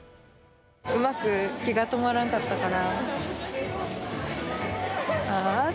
うまく木が止まらんかったから。